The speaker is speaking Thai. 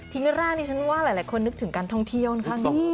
ทิ้งร่างที่ฉันว่าหลายคนนึกถึงการท้องเที่ยวข้างนี้